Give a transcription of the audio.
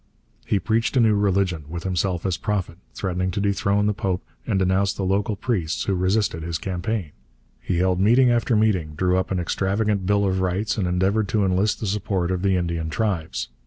He preached a new religion, with himself as prophet, threatened to dethrone the Pope, and denounced the local priests who resisted his campaign. He held meeting after meeting, drew up an extravagant Bill of Rights, and endeavoured to enlist the support of the Indian tribes.